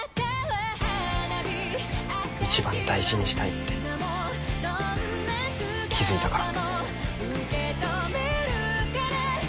一番大事にしたいって気付いたから。